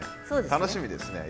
楽しみですね。